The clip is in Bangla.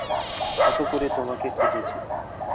কত করে তোমাকে খুঁজেছি।